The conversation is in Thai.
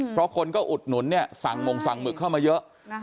เพราะคนก็อุดหนุนเนี่ยสั่งมงสั่งหมึกเข้ามาเยอะ